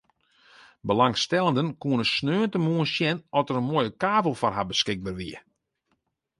Belangstellenden koene sneontemoarn sjen oft der in moaie kavel foar har beskikber wie.